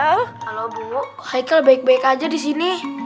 halo bu haikal baik baik aja disini